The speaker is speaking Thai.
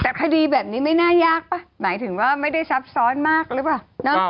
แต่คดีแบบนี้ไม่น่ายากป่ะหมายถึงว่าไม่ได้ซับซ้อนมากหรือเปล่า